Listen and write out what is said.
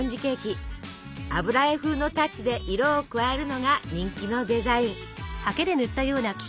油絵風のタッチで色を加えるのが人気のデザイン。